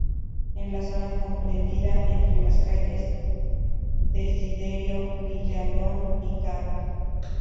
En la zona comprendida entre las calles Desiderio Villalón y Cap.